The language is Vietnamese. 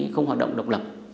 không hoạt động độc lập